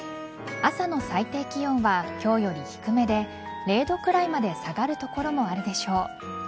朝の最低気温は今日より低めで０度くらいまで下がる所もあるでしょう。